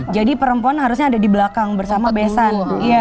jadi perempuan harusnya ada di belakang bersama besan